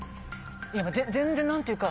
全然何ていうか。